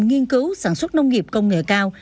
nghiên cứu sản xuất nông nghiệp công nghệ cao